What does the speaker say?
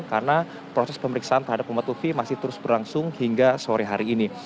karena proses pemeriksaan terhadap muhammad lufi masih terus berlangsung hingga sore hari ini